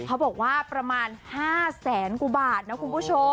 เขาบอกว่าประมาณ๕แสนกว่าบาทนะคุณผู้ชม